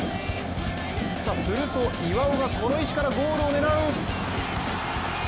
すると、岩尾がこの位置からゴールを狙う！